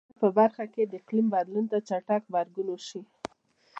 د کرنې په برخه کې د اقلیم بدلون ته چټک غبرګون وشي.